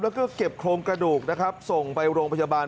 แล้วก็เก็บโครงกระดูกนะครับส่งไปโรงพยาบาล